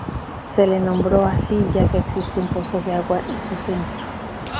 Se le nombró así ya que existe un pozo de agua en su centro.